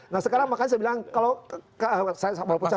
nah sekarang makanya saya bilang kalau saya mau percaya